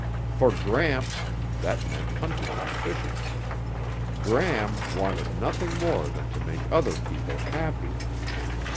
For Gramps that meant hunting and fishing; Gram wanted nothing more than to make other people happy.